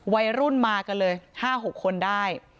วัยรุ่นมากันเลย๕๖คนได้